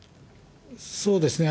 そうですね。